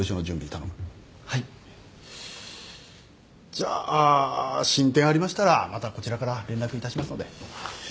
じゃあ進展ありましたらまたこちらから連絡いたしますので。